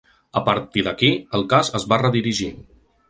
A partir d’aquí, el cas es va redirigir.